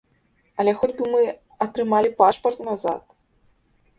Але хоць бы мы атрымалі пашпарт назад!